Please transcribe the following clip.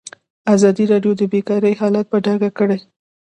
ازادي راډیو د بیکاري حالت په ډاګه کړی.